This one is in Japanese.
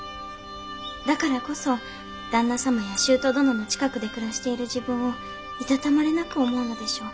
だからこそ旦那様や舅殿の近くで暮らしている自分をいたたまれなく思うのでしょう。